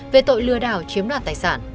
về tội lừa đảo chiếm đoạt tài sản